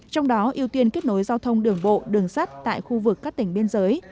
trong đó ưu tiên kết nối giao thông đường bộ đường sắt tại khu vực các tỉnh biên giới